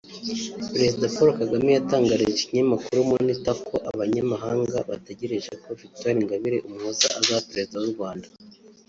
Prezida Paul Kagame yatangalije ikinyamakuru Monitor ko abanyamahanga bategereje ko Victoire Inganire Umuhoza azaba Prezida w’Urwanda